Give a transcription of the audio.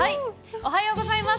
おはようございます。